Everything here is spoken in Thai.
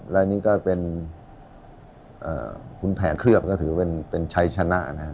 แล้วอันนี้ก็เป็นเอ่อคุณแผนเคลือบก็ถือว่าเป็นเป็นชัยชนะนะฮะ